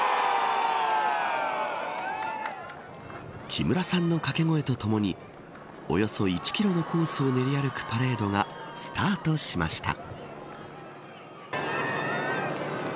木村さんの掛け声とともにおよそ１キロのコースを練り歩くパレードがスタートしました。